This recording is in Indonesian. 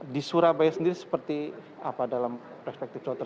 di surabaya sendiri seperti apa dalam perspektif contoh